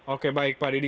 oke baik pak didi